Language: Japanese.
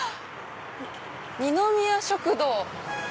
「二宮食堂」。